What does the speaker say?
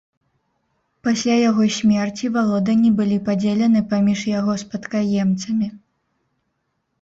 Пасля яго смерці валоданні былі падзелены паміж яго спадкаемцамі.